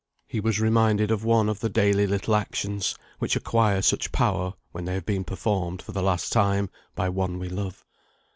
He was reminded of one of the daily little actions, which acquire such power when they have been performed for the last time, by one we love.